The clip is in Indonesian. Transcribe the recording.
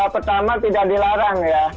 pertama tidak dilarang ya